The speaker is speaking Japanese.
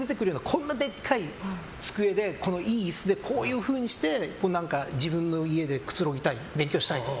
こんなにでかい机でいい椅子でこういうふうにして自分の家でくつろぎたい勉強したい。